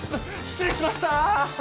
失礼しました！